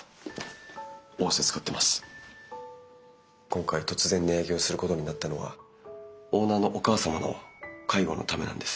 今回突然値上げをすることになったのはオーナーのお母様の介護のためなんです。